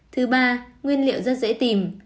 thứ ba nguyên liệu rất dễ tìm